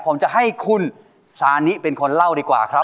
ผมจะให้คุณซานิเป็นคนเล่าดีกว่าครับ